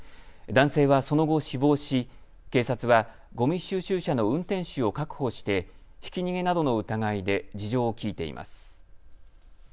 男性はその後、死亡し警察は、ごみ収集車の運転手を確保してひき逃げなどの疑いで事情を聴いています。